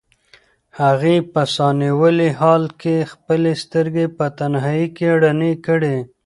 هغې په ساه نیولي حال کې خپلې سترګې په تنهایۍ کې رڼې کړې.